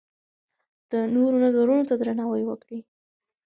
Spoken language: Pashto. د نورو نظرونو ته درناوی وکړئ.